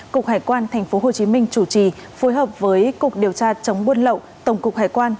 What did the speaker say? cục hải quan tp hcm chủ trì phối hợp với cục điều tra chống buôn lậu tổng cục hải quan